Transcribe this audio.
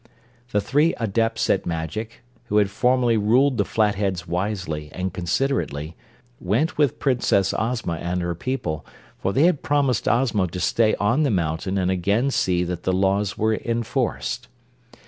The three Adepts at Magic, who had formerly ruled the Flatheads wisely and considerately, went with Princess Ozma and her people, for they had promised Ozma to stay on the mountain and again see that the laws were enforced.